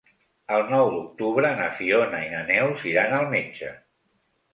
El nou d'octubre na Fiona i na Neus iran al metge.